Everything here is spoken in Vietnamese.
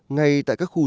ngay tại các khu vực